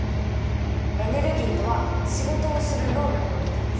エネルギーとは仕事をする能力のことです。